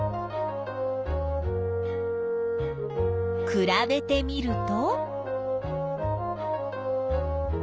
くらべてみると？